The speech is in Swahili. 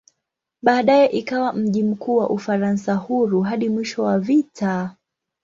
Baadaye ikawa mji mkuu wa "Ufaransa Huru" hadi mwisho wa vita.